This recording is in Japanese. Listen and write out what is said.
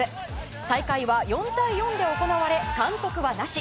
大会は４対４で行われ、監督はなし。